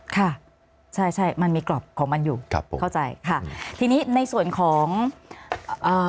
ค่ะใช่ใช่มันมีกรอบของมันอยู่ครับผมเข้าใจค่ะทีนี้ในส่วนของเอ่อ